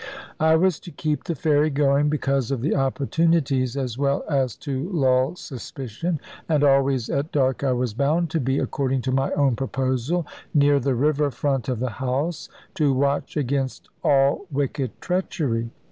I was to keep the ferry going, because of the opportunities, as well as to lull suspicion, and always at dark I was bound to be (according to my own proposal) near the river front of the house, to watch against all wicked treachery.